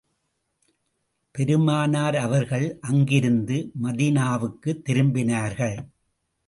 பெருமானார் அவர்கள் அங்கிருந்து மதீனாவுக்குத் திரும்பினார்கள்.